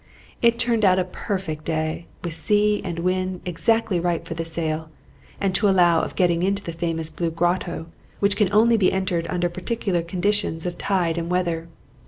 It turned out a perfect day, with sea and wind exactly right for the sail, and to allow of getting into the famous "Blue Grotto," which can only be entered under particular conditions of tide and weather.